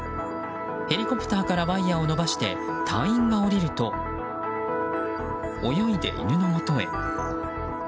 ヘリコプターからワイヤを伸ばして隊員が下りると泳いで犬のもとへ。